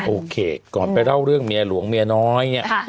โอเคก่อนไปเล่าเรื่องเมียหลวงเมียน้อยเนี่ย